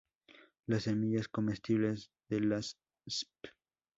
Las semillas comestibles de las spp.